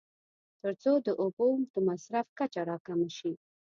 تر څو د اوبو د مصرف کچه راکمه شي.